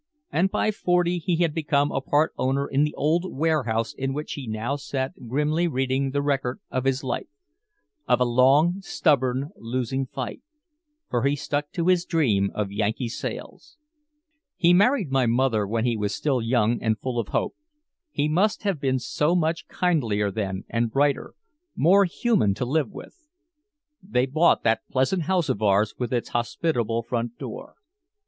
And by forty he had become a part owner in the old warehouse in which he now sat grimly reading the record of his life of a long stubborn losing fight, for he stuck to his dream of Yankee sails. He married my mother when he was still strong and full of hope. He must have been so much kindlier then and brighter, more human to live with. They bought that pleasant house of ours with its hospitable front door.